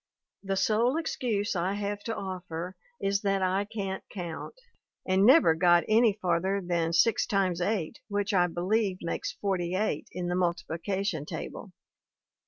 The sole excuse I have to offer is that I can't count, and never got any far ther than six times eight, which I believe makes forty eight, in the multiplication table.